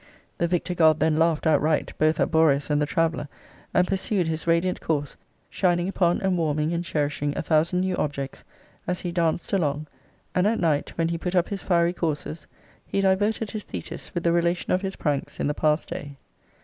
The victor god then laughed outright, both at Boreas and the traveller, and pursued his radiant course, shining upon, and warming and cherishing a thousand new objects, as he danced along: and at night, when he put up his fiery coursers, he diverted his Thetis with the relation of his pranks in the passed day.